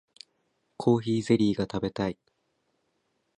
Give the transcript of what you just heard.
コーヒーゼリーが食べたい